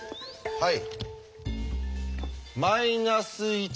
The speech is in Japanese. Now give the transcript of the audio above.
はい。